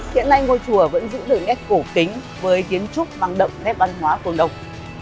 hiện nay ngôi chùa vẫn giữ được nét cổ kính với kiến trúc mang động nét văn hóa cộng đồng